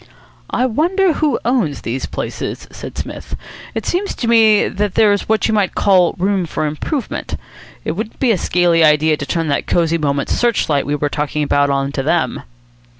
"I wonder who owns these places," said Psmith. "It seems to me that there's what you might call room for improvement. It wouldn't be a scaly idea to turn that Cosy Moments search light we were talking about on to them."